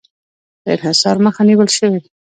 د انحصار مخه نیول شوې؟